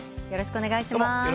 よろしくお願いします。